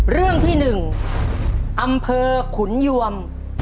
เรื่องที่๑อำเภอขุนยวม